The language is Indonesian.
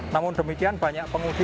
namun demikian banyak pengudi